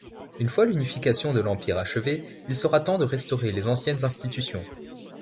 Une fois l’unification de l’empire achevée il sera temps de restaurer les anciennes institutions.